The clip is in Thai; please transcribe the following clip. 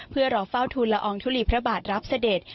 เพื่อรอเฝ้าทุนละอองทุลีพระบาทรับเสด็จ